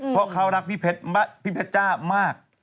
เพราะเขารักพี่เพชรจ้ามาก